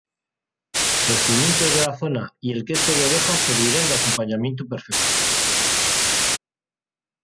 Los pimientos de la zona y el queso de oveja servirán de acompañamiento perfecto.